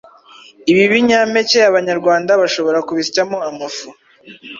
Ibi binyampeke Abanyarwanda bashobora kubisyamo amafu